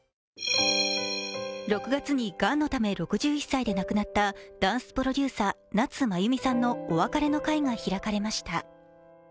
６月にがんのため６１歳で亡くなったダンスプロデューサー、夏まゆみさんのお別れの会が開かれました。